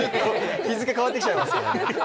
日付変わってきちゃいますよ。